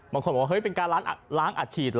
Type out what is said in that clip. บางคนบอกว่าเฮ้ยเป็นการล้างอัดฉีดเหรอ